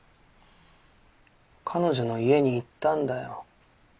彼女の家に行ったんだよ。